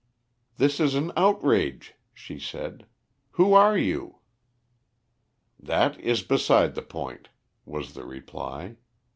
"This is an outrage," she said. "Who are you?" "That is beside the point," was the reply.